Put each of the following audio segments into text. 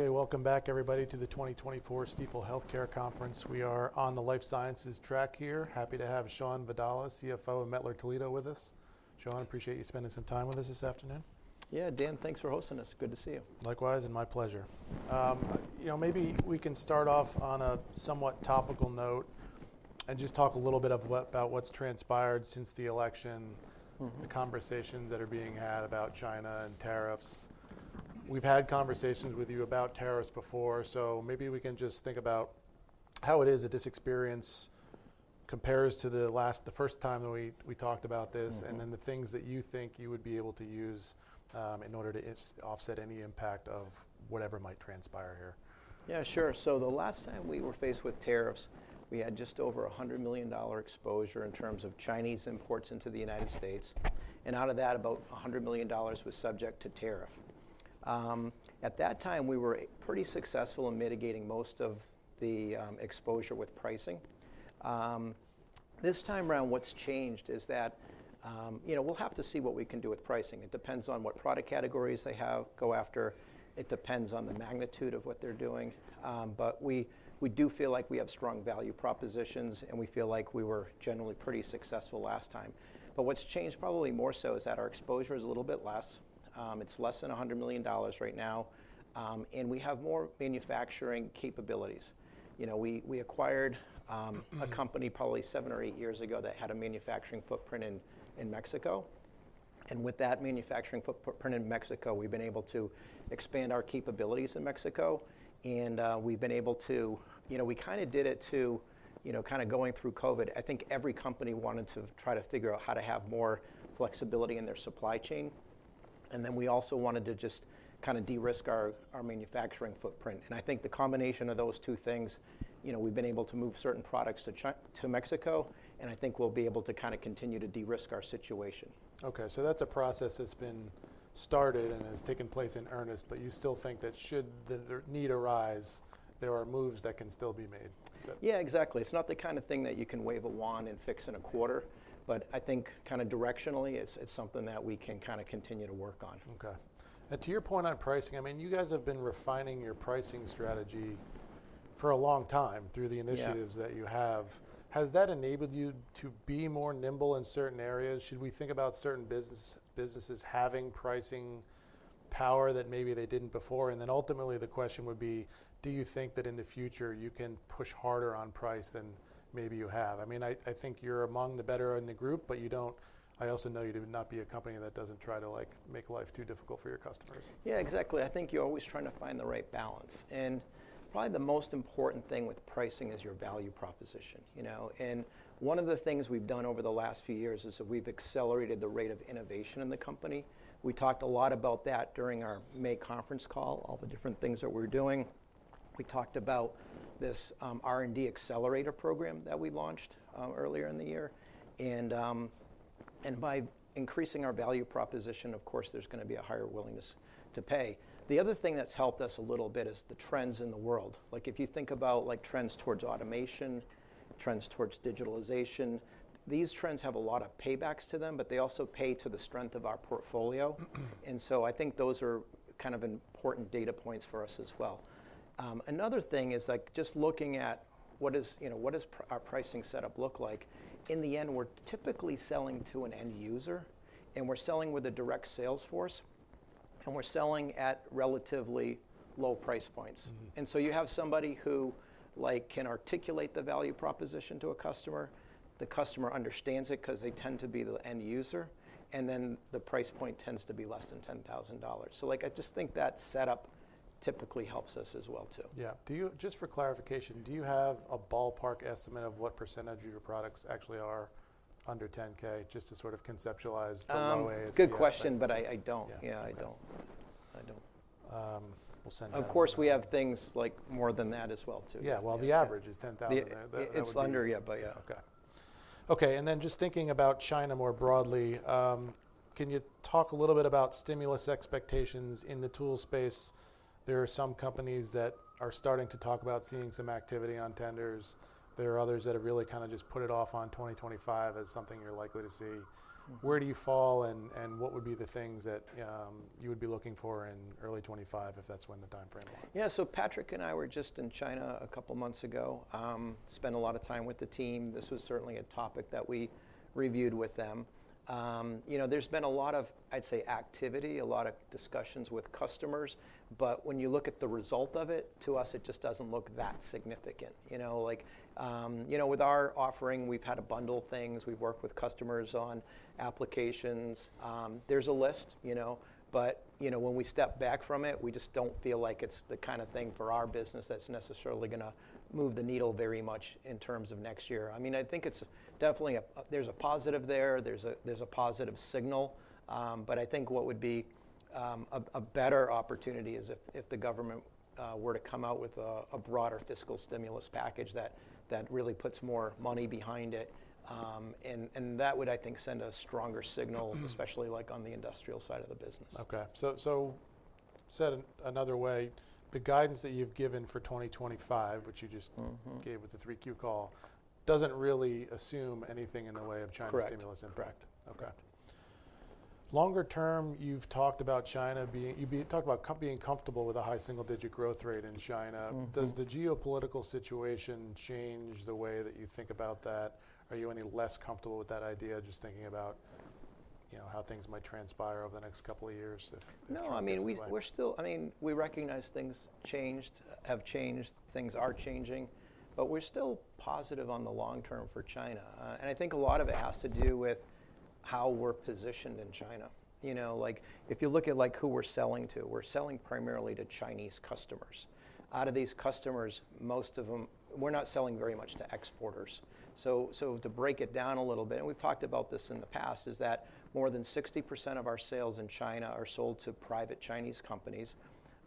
Okay, welcome back, everybody, to the 2024 Stifel Healthcare Conference. We are on the life sciences track here. Happy to have Shawn Vadala, CFO of Mettler-Toledo, with us. Shawn, appreciate you spending some time with us this afternoon. Yeah, Dan, thanks for hosting us. Good to see you. Likewise, and my pleasure. You know, maybe we can start off on a somewhat topical note and just talk a little bit about what's transpired since the election, the conversations that are being had about China and tariffs. We've had conversations with you about tariffs before, so maybe we can just think about how it is that this experience compares to the first time that we talked about this, and then the things that you think you would be able to use in order to offset any impact of whatever might transpire here. Yeah, sure. So the last time we were faced with tariffs, we had just over $100 million exposure in terms of Chinese imports into the United States, and out of that, about $100 million was subject to tariff. At that time, we were pretty successful in mitigating most of the exposure with pricing. This time around, what's changed is that, you know, we'll have to see what we can do with pricing. It depends on what product categories they go after. It depends on the magnitude of what they're doing. But we do feel like we have strong value propositions, and we feel like we were generally pretty successful last time. But what's changed probably more so is that our exposure is a little bit less. It's less than $100 million right now, and we have more manufacturing capabilities. You know, we acquired a company probably seven or eight years ago that had a manufacturing footprint in Mexico, and with that manufacturing footprint in Mexico, we've been able to expand our capabilities in Mexico, and we've been able to, you know, we kind of did it to, you know, kind of going through COVID. I think every company wanted to try to figure out how to have more flexibility in their supply chain, and then we also wanted to just kind of de-risk our manufacturing footprint, and I think the combination of those two things, you know, we've been able to move certain products to Mexico, and I think we'll be able to kind of continue to de-risk our situation. Okay, so that's a process that's been started and has taken place in earnest, but you still think that should the need arise, there are moves that can still be made. Yeah, exactly. It's not the kind of thing that you can wave a wand and fix in a quarter, but I think kind of directionally, it's something that we can kind of continue to work on. Okay. And to your point on pricing, I mean, you guys have been refining your pricing strategy for a long time through the initiatives that you have. Has that enabled you to be more nimble in certain areas? Should we think about certain businesses having pricing power that maybe they didn't before? And then ultimately, the question would be, do you think that in the future you can push harder on price than maybe you have? I mean, I think you're among the better in the group, but you don't, I also know you do not be a company that doesn't try to, like, make life too difficult for your customers. Yeah, exactly. I think you're always trying to find the right balance. And probably the most important thing with pricing is your value proposition, you know? And one of the things we've done over the last few years is that we've accelerated the rate of innovation in the company. We talked a lot about that during our May conference call, all the different things that we're doing. We talked about this R&D accelerator program that we launched earlier in the year. And by increasing our value proposition, of course, there's going to be a higher willingness to pay. The other thing that's helped us a little bit is the trends in the world. Like, if you think about, like, trends towards automation, trends towards digitalization, these trends have a lot of paybacks to them, but they also pay to the strength of our portfolio. And so I think those are kind of important data points for us as well. Another thing is, like, just looking at what is, you know, what does our pricing setup look like? In the end, we're typically selling to an end user, and we're selling with a direct sales force, and we're selling at relatively low price points. And so you have somebody who, like, can articulate the value proposition to a customer. The customer understands it because they tend to be the end user, and then the price point tends to be less than $10,000. So, like, I just think that setup typically helps us as well too. Yeah. Do you, just for clarification, do you have a ballpark estimate of what percentage of your products actually are under 10K, just to sort of conceptualize the way it's going? Good question, but I don't. Yeah, I don't. I don't. We'll send that. Of course, we have things like more than that as well too. Yeah, well, the average is 10,000. It's under, yeah, but yeah. Okay. Okay, and then just thinking about China more broadly, can you talk a little bit about stimulus expectations in the tool space? There are some companies that are starting to talk about seeing some activity on tenders. There are others that have really kind of just put it off on 2025 as something you're likely to see. Where do you fall, and what would be the things that you would be looking for in early 2025 if that's when the time frame is? Yeah, so Patrick and I were just in China a couple of months ago, spent a lot of time with the team. This was certainly a topic that we reviewed with them. You know, there's been a lot of, I'd say, activity, a lot of discussions with customers, but when you look at the result of it, to us, it just doesn't look that significant, you know? Like, you know, with our offering, we've had a bundle of things. We've worked with customers on applications. There's a list, you know, but, you know, when we step back from it, we just don't feel like it's the kind of thing for our business that's necessarily going to move the needle very much in terms of next year. I mean, I think it's definitely, there's a positive there. There's a positive signal. But I think what would be a better opportunity is if the government were to come out with a broader fiscal stimulus package that really puts more money behind it. And that would, I think, send a stronger signal, especially, like, on the industrial side of the business. Okay. So, said another way, the guidance that you've given for 2025, which you just gave with the 3Q call, doesn't really assume anything in the way of China's stimulus impact. Correct. Okay. Longer term, you've talked about China being, you've talked about being comfortable with a high single-digit growth rate in China. Does the geopolitical situation change the way that you think about that? Are you any less comfortable with that idea, just thinking about, you know, how things might transpire over the next couple of years if things go like that? No, I mean, we're still, I mean, we recognize things changed, have changed, things are changing, but we're still positive on the long term for China. And I think a lot of it has to do with how we're positioned in China. You know, like, if you look at, like, who we're selling to, we're selling primarily to Chinese customers. Out of these customers, most of them, we're not selling very much to exporters. So, to break it down a little bit, and we've talked about this in the past, is that more than 60% of our sales in China are sold to private Chinese companies.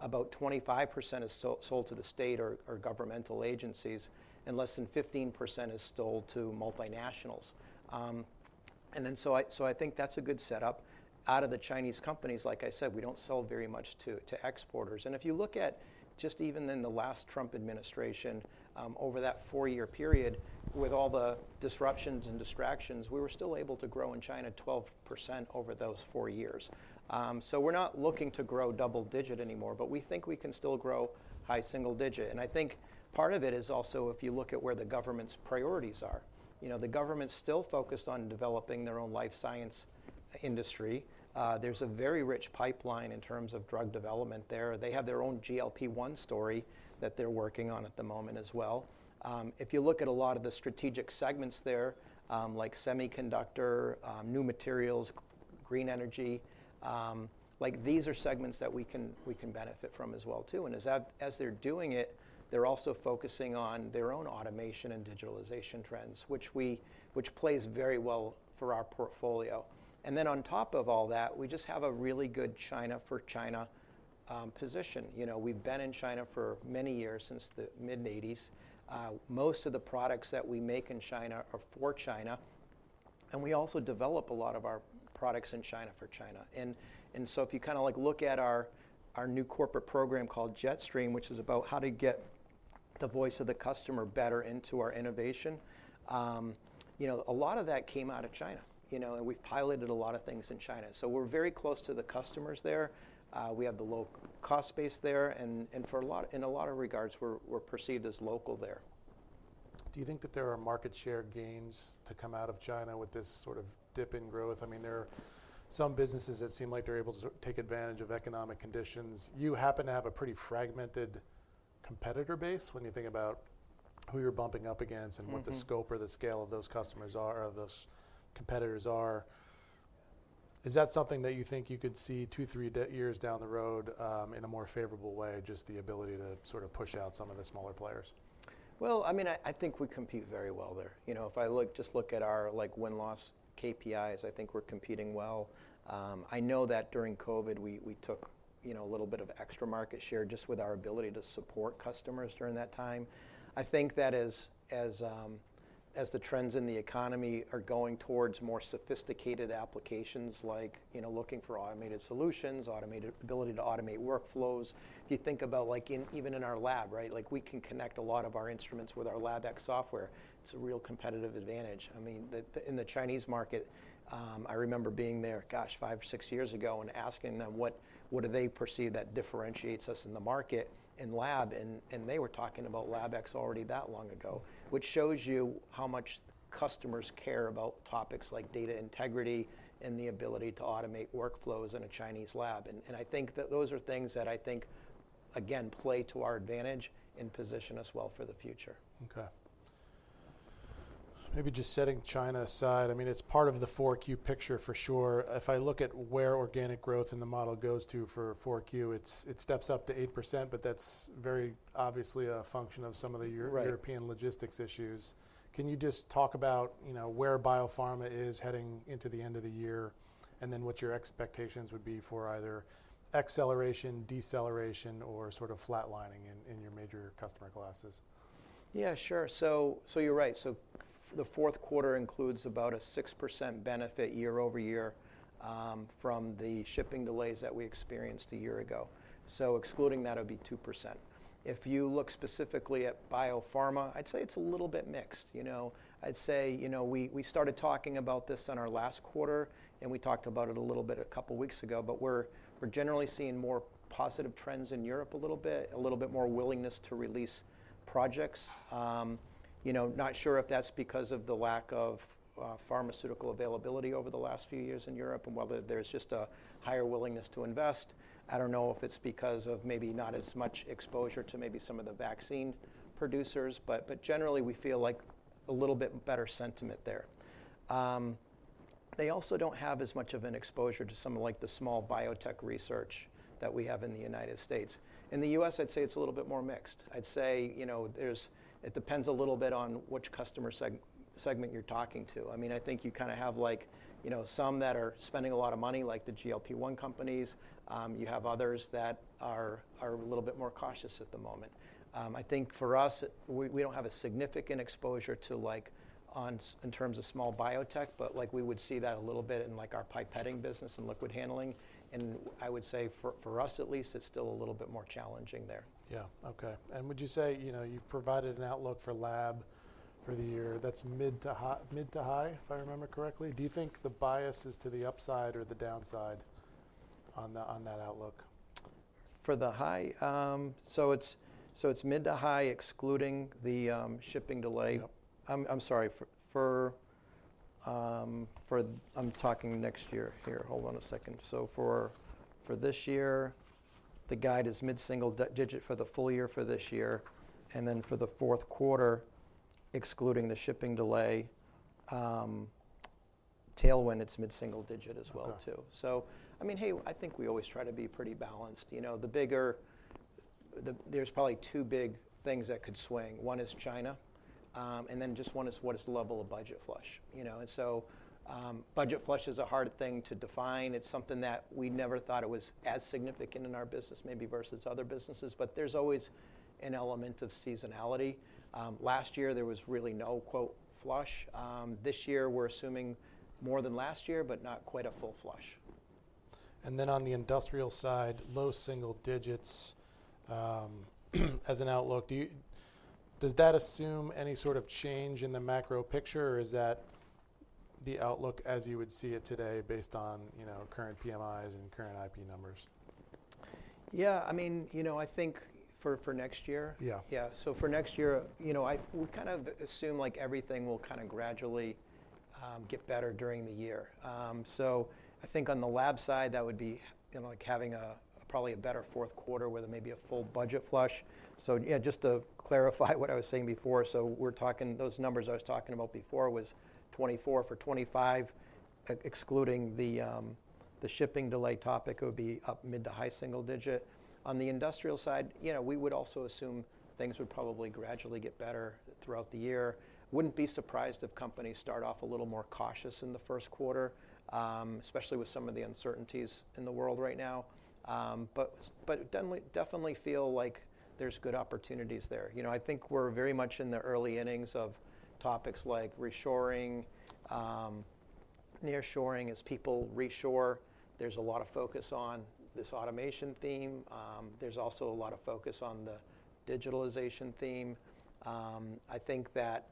About 25% is sold to the state or governmental agencies, and less than 15% is sold to multinationals. And then so I think that's a good setup. Out of the Chinese companies, like I said, we don't sell very much to exporters. If you look at just even in the last Trump administration, over that four-year period, with all the disruptions and distractions, we were still able to grow in China 12% over those four years. We're not looking to grow double-digit anymore, but we think we can still grow high single-digit. I think part of it is also if you look at where the government's priorities are. You know, the government's still focused on developing their own life science industry. There's a very rich pipeline in terms of drug development there. They have their own GLP-1 story that they're working on at the moment as well. If you look at a lot of the strategic segments there, like semiconductor, new materials, green energy, like, these are segments that we can benefit from as well too. As they're doing it, they're also focusing on their own automation and digitalization trends, which plays very well for our portfolio. On top of all that, we just have a really good China for China position. You know, we've been in China for many years, since the mid-1980s. Most of the products that we make in China are for China, and we also develop a lot of our products in China for China. If you kind of, like, look at our new corporate program called JetStream, which is about how to get the voice of the customer better into our innovation, you know, a lot of that came out of China, you know, and we've piloted a lot of things in China. We're very close to the customers there. We have the low cost base there, and in a lot of regards, we're perceived as local there. Do you think that there are market share gains to come out of China with this sort of dip in growth? I mean, there are some businesses that seem like they're able to take advantage of economic conditions. You happen to have a pretty fragmented competitor base when you think about who you're bumping up against and what the scope or the scale of those customers are, of those competitors are. Is that something that you think you could see two, three years down the road in a more favorable way, just the ability to sort of push out some of the smaller players? I mean, I think we compete very well there. You know, if I just look at our, like, win-loss KPIs, I think we're competing well. I know that during COVID, we took, you know, a little bit of extra market share just with our ability to support customers during that time. I think that as the trends in the economy are going towards more sophisticated applications, like, you know, looking for automated solutions, automated ability to automate workflows, if you think about, like, even in our lab, right? Like, we can connect a lot of our instruments with our LabX software. It's a real competitive advantage. I mean, in the Chinese market, I remember being there, gosh, five or six years ago and asking them what do they perceive that differentiates us in the market and lab, and they were talking about LabX already that long ago, which shows you how much customers care about topics like data integrity and the ability to automate workflows in a Chinese lab, and I think that those are things that I think, again, play to our advantage and position us well for the future. Okay. Maybe just setting China aside, I mean, it's part of the 4Q picture for sure. If I look at where organic growth in the model goes to for 4Q, it steps up to 8%, but that's very obviously a function of some of the European logistics issues. Can you just talk about, you know, where biopharma is heading into the end of the year and then what your expectations would be for either acceleration, deceleration, or sort of flatlining in your major customer classes? Yeah, sure. So you're right. So the fourth quarter includes about a 6% benefit year-over year from the shipping delays that we experienced a year ago. So excluding that, it would be 2%. If you look specifically at biopharma, I'd say it's a little bit mixed, you know? I'd say, you know, we started talking about this in our last quarter, and we talked about it a little bit a couple of weeks ago, but we're generally seeing more positive trends in Europe a little bit, a little bit more willingness to release projects. You know, not sure if that's because of the lack of pharmaceutical availability over the last few years in Europe and whether there's just a higher willingness to invest. I don't know if it's because of maybe not as much exposure to maybe some of the vaccine producers, but generally, we feel like a little bit better sentiment there. They also don't have as much of an exposure to some, like, the small biotech research that we have in the United States. In the US, I'd say it's a little bit more mixed. I'd say, you know, it depends a little bit on which customer segment you're talking to. I mean, I think you kind of have, like, you know, some that are spending a lot of money, like the GLP-1 companies. You have others that are a little bit more cautious at the moment. I think for us, we don't have a significant exposure to, like, in terms of small biotech, but, like, we would see that a little bit in, like, our pipetting business and liquid handling. I would say for us, at least, it's still a little bit more challenging there. Yeah. Okay. And would you say, you know, you've provided an outlook for lab for the year, that's mid to high, if I remember correctly? Do you think the bias is to the upside or the downside on that outlook? For the high? So it's mid- to high-, excluding the shipping delay. I'm sorry, I'm talking next year here. Hold on a second. So for this year, the guide is mid-single digit for the full year for this year. And then for the fourth quarter, excluding the shipping delay tailwind, it's mid-single digit as well too. So, I mean, hey, I think we always try to be pretty balanced. You know, the bigger, there's probably two big things that could swing. One is China, and then just one is what is the level of budget flush, you know? And so budget flush is a hard thing to define. It's something that we never thought it was as significant in our business, maybe versus other businesses, but there's always an element of seasonality. Last year, there was really no "flush." This year, we're assuming more than last year, but not quite a full flush. And then on the industrial side, low single digits as an outlook. Does that assume any sort of change in the macro picture, or is that the outlook as you would see it today based on, you know, current PMIs and current IP numbers? Yeah. I mean, you know, I think for next year, yeah, so for next year, you know, we kind of assume, like, everything will kind of gradually get better during the year. So I think on the lab side, that would be, you know, like having probably a better fourth quarter with maybe a full budget flush. So, yeah, just to clarify what I was saying before, so we're talking, those numbers I was talking about before was 2024 for 2025, excluding the shipping delay topic, it would be up mid- to high-single-digit. On the industrial side, you know, we would also assume things would probably gradually get better throughout the year. Wouldn't be surprised if companies start off a little more cautious in the first quarter, especially with some of the uncertainties in the world right now. But definitely feel like there's good opportunities there. You know, I think we're very much in the early innings of topics like reshoring, nearshoring. As people reshore, there's a lot of focus on this automation theme. There's also a lot of focus on the digitalization theme. I think that,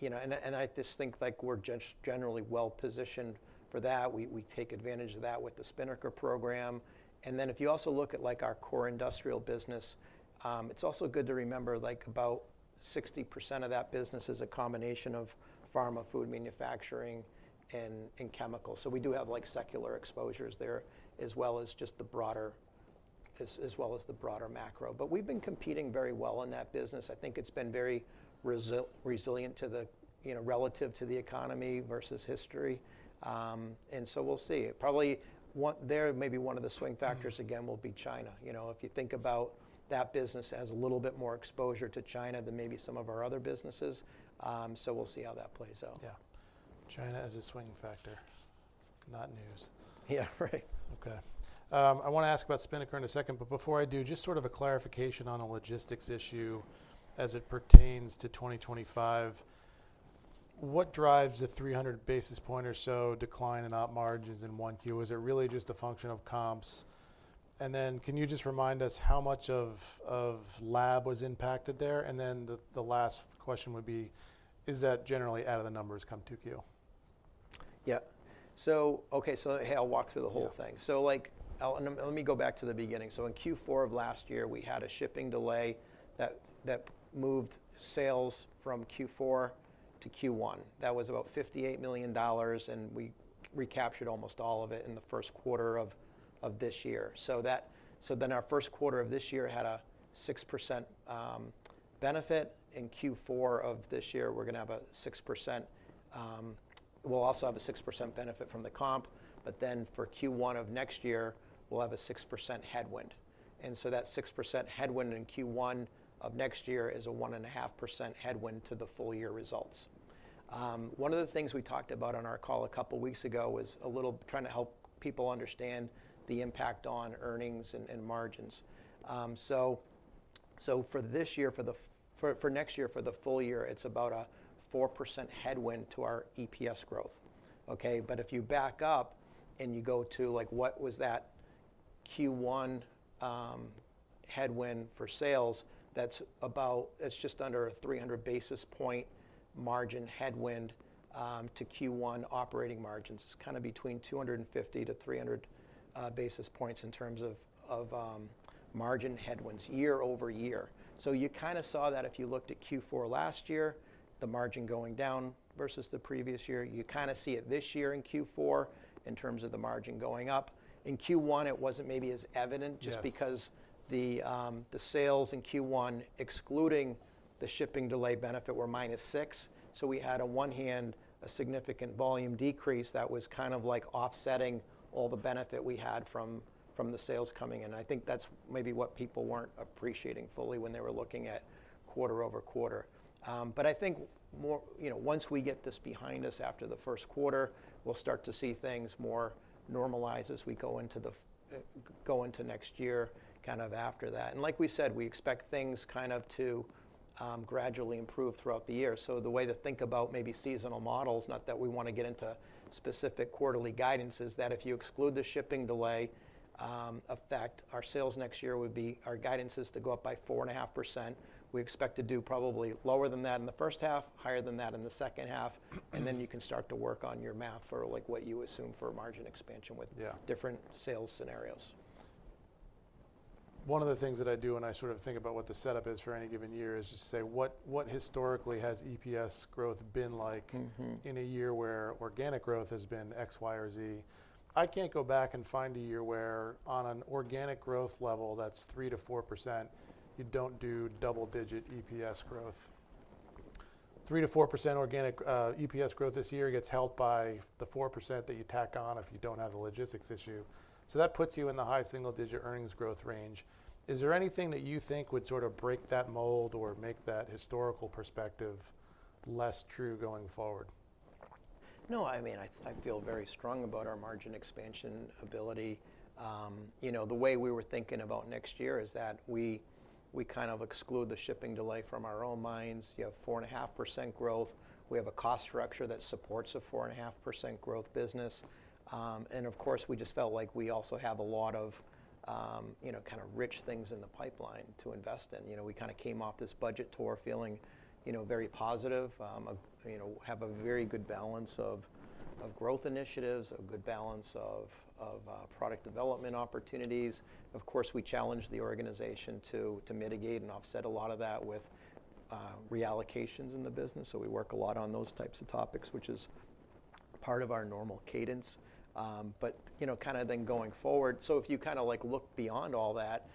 you know, and I just think, like, we're generally well positioned for that. We take advantage of that with the Spinnaker program. And then if you also look at, like, our core industrial business, it's also good to remember, like, about 60% of that business is a combination of pharma, food manufacturing, and chemicals. So we do have, like, secular exposures there as well as just the broader, as well as the broader macro. But we've been competing very well in that business. I think it's been very resilient to the, you know, relative to the economy versus history. And so we'll see. Probably there, maybe one of the swing factors again will be China. You know, if you think about that business as a little bit more exposure to China than maybe some of our other businesses. So we'll see how that plays out. Yeah. China as a swing factor. Not news. Yeah, right. Okay. I want to ask about Spinnaker in a second, but before I do, just sort of a clarification on a logistics issue as it pertains to 2025. What drives the 300 basis points or so decline in op margins in Q1? Was it really just a function of comps? And then can you just remind us how much of lab was impacted there? And then the last question would be, is that generally out of the numbers by Q2? Yeah. So, okay, so hey, I'll walk through the whole thing. So, like, let me go back to the beginning. So in Q4 of last year, we had a shipping delay that moved sales from Q4 to Q1. That was about $58 million, and we recaptured almost all of it in the first quarter of this year. So then our first quarter of this year had a 6% benefit. In Q4 of this year, we're going to have a 6%, we'll also have a 6% benefit from the comp, but then for Q1 of next year, we'll have a 6% headwind. And so that 6% headwind in Q1 of next year is a 1.5% headwind to the full year results. One of the things we talked about on our call a couple of weeks ago was a little trying to help people understand the impact on earnings and margins. So for this year, for next year, for the full year, it's about a 4% headwind to our EPS growth, okay? But if you back up and you go to, like, what was that Q1 headwind for sales, that's about, it's just under a 300 basis point margin headwind to Q1 operating margins. It's kind of between 250 to 300 basis points in terms of margin headwinds year-over-year. So you kind of saw that if you looked at Q4 last year, the margin going down versus the previous year. You kind of see it this year in Q4 in terms of the margin going up. In Q1, it wasn't maybe as evident just because the sales in Q1, excluding the shipping delay benefit, were minus six. So we had, on one hand, a significant volume decrease that was kind of like offsetting all the benefit we had from the sales coming in. I think that's maybe what people weren't appreciating fully when they were looking at quarter-over-quarter. But I think, you know, once we get this behind us after the first quarter, we'll start to see things more normalize as we go into next year, kind of after that. And like we said, we expect things kind of to gradually improve throughout the year. So the way to think about maybe seasonal models, not that we want to get into specific quarterly guidances, that if you exclude the shipping delay effect, our sales next year would be our guidances to go up by 4.5%. We expect to do probably lower than that in the H1, higher than that in the H2, and then you can start to work on your math for, like, what you assume for margin expansion with different sales scenarios. One of the things that I do when I sort of think about what the setup is for any given year is just to say, what historically has EPS growth been like in a year where organic growth has been X, Y, or Z? I can't go back and find a year where on an organic growth level, that's 3%-4%, you don't do double-digit EPS growth. 3%-4% organic EPS growth this year gets held by the 4% that you tack on if you don't have the logistics issue. So that puts you in the high single-digit earnings growth range. Is there anything that you think would sort of break that mold or make that historical perspective less true going forward? No, I mean, I feel very strong about our margin expansion ability. You know, the way we were thinking about next year is that we kind of exclude the shipping delay from our own minds. You have 4.5% growth. We have a cost structure that supports a 4.5% growth business. And of course, we just felt like we also have a lot of, you know, kind of rich things in the pipeline to invest in. You know, we kind of came off this budget tour feeling, you know, very positive, you know, have a very good balance of growth initiatives, a good balance of product development opportunities. Of course, we challenged the organization to mitigate and offset a lot of that with reallocations in the business. So we work a lot on those types of topics, which is part of our normal cadence. But, you know, kind of then going forward, so if you kind of, like, look beyond all that,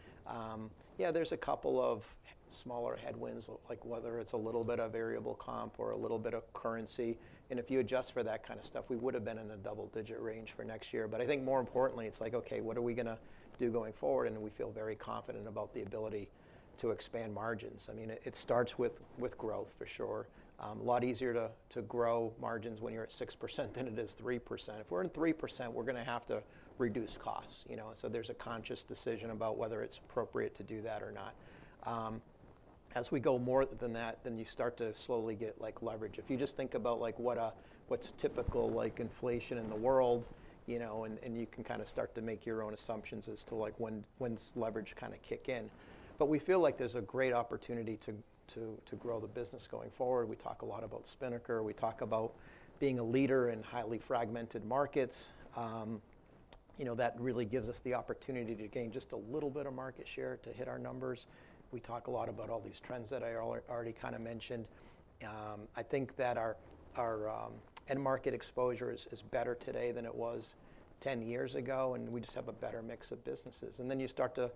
yeah, there's a couple of smaller headwinds, like whether it's a little bit of variable comp or a little bit of currency. And if you adjust for that kind of stuff, we would have been in a double-digit range for next year. But I think more importantly, it's like, okay, what are we going to do going forward? And we feel very confident about the ability to expand margins. I mean, it starts with growth for sure. A lot easier to grow margins when you're at 6% than it is 3%. If we're in 3%, we're going to have to reduce costs, you know? And so there's a conscious decision about whether it's appropriate to do that or not. As we go more than that, then you start to slowly get, like, leverage. If you just think about, like, what's typical, like, inflation in the world, you know, and you can kind of start to make your own assumptions as to, like, when's leverage kind of kick in. But we feel like there's a great opportunity to grow the business going forward. We talk a lot about Spinnaker. We talk about being a leader in highly fragmented markets. You know, that really gives us the opportunity to gain just a little bit of market share to hit our numbers. We talk a lot about all these trends that I already kind of mentioned. I think that our end market exposure is better today than it was 10 years ago, and we just have a better mix of businesses. And then you start to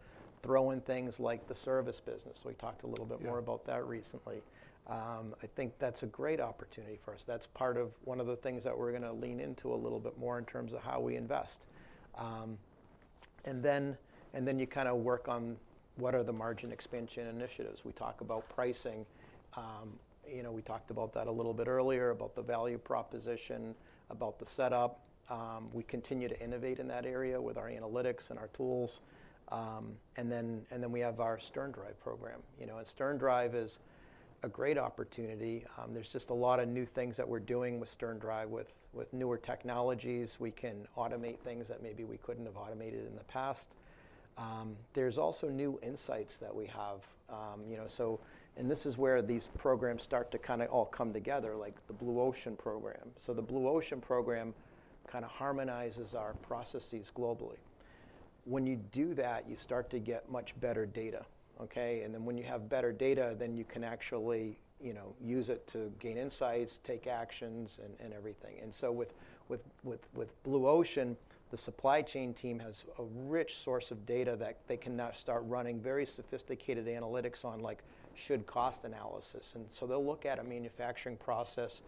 throw in things like the service business. We talked a little bit more about that recently. I think that's a great opportunity for us. That's part of one of the things that we're going to lean into a little bit more in terms of how we invest. And then you kind of work on what are the margin expansion initiatives. We talk about pricing. You know, we talked about that a little bit earlier, about the value proposition, about the setup. We continue to innovate in that area with our analytics and our tools. And then we have our SternDrive program. You know, and SternDrive is a great opportunity. There's just a lot of new things that we're doing with SternDrive, with newer technologies. We can automate things that maybe we couldn't have automated in the past. There's also new insights that we have, you know. So, and this is where these programs start to kind of all come together, like the Blue Ocean program. So the Blue Ocean program kind of harmonizes our processes globally. When you do that, you start to get much better data, okay? And then when you have better data, then you can actually, you know, use it to gain insights, take actions, and everything. And so with Blue Ocean, the supply chain team has a rich source of data that they can now start running very sophisticated analytics on, like should cost analysis. And so they'll look at a manufacturing process,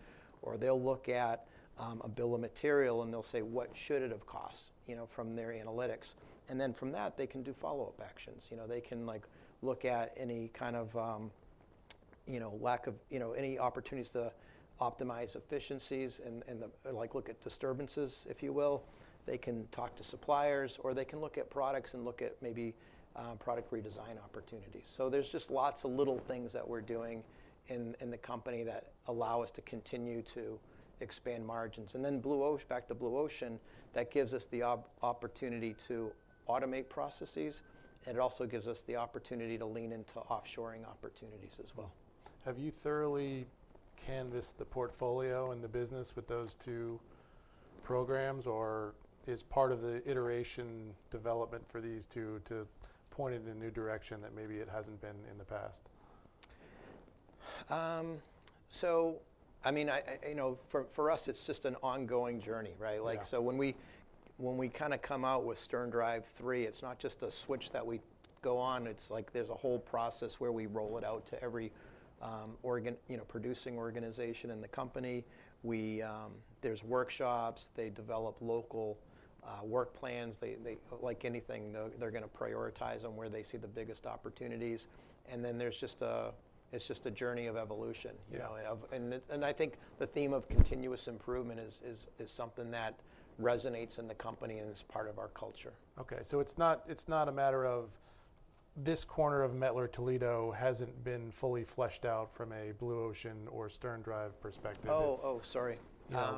or they'll look at a bill of material, and they'll say, what should it have cost, you know, from their analytics. And then from that, they can do follow-up actions. You know, they can, like, look at any kind of, you know, lack of, you know, any opportunities to optimize efficiencies and, like, look at disturbances, if you will. They can talk to suppliers, or they can look at products and look at maybe product redesign opportunities. So there's just lots of little things that we're doing in the company that allow us to continue to expand margins. And then Blue Ocean, back to Blue Ocean, that gives us the opportunity to automate processes, and it also gives us the opportunity to lean into offshoring opportunities as well. Have you thoroughly canvassed the portfolio and the business with those two programs, or is part of the iteration development for these two to point in a new direction that maybe it hasn't been in the past? So, I mean, you know, for us, it's just an ongoing journey, right? Like, so when we kind of come out with SternDrive 3, it's not just a switch that we go on. It's like there's a whole process where we roll it out to every, you know, producing organization in the company. There's workshops. They develop local work plans. Like anything, they're going to prioritize on where they see the biggest opportunities. And then there's just a journey of evolution, you know? And I think the theme of continuous improvement is something that resonates in the company and is part of our culture. Okay. So it's not a matter of this corner of Mettler-Toledo hasn't been fully fleshed out from a Blue Ocean or SternDrive perspective. Oh, oh, sorry.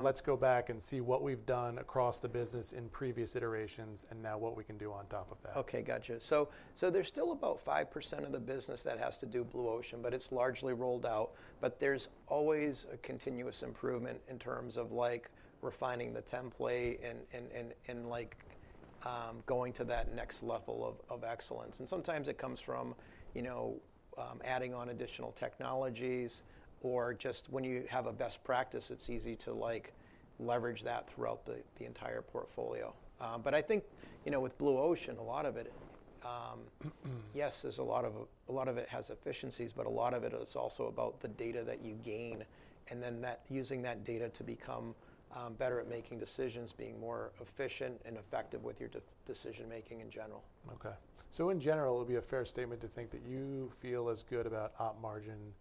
Let's go back and see what we've done across the business in previous iterations and now what we can do on top of that. Okay, gotcha, so there's still about 5% of the business that has to do Blue Ocean, but it's largely rolled out, but there's always a continuous improvement in terms of, like, refining the template and, like, going to that next level of excellence, and sometimes it comes from, you know, adding on additional technologies or just when you have a best practice, it's easy to, like, leverage that throughout the entire portfolio, but I think, you know, with Blue Ocean, a lot of it, yes, there's a lot of it has efficiencies, but a lot of it is also about the data that you gain and then using that data to become better at making decisions, being more efficient and effective with your decision-making in general. Okay. So in general, it would be a fair statement to think that you feel as good about op margin,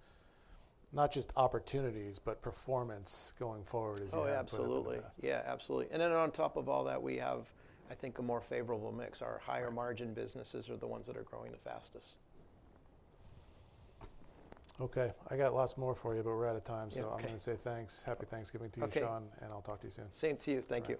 not just opportunities, but performance going forward as you're looking across. Oh, absolutely. Yeah, absolutely. And then on top of all that, we have, I think, a more favorable mix. Our higher margin businesses are the ones that are growing the fastest. Okay. I got lots more for you, but we're out of time, so I'm going to say thanks. Happy Thanksgiving to you, Shawn, and I'll talk to you soon. Same to you. Thank you.